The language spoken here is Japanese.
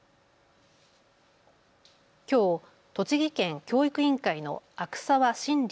きょう栃木県教育委員会の阿久澤真理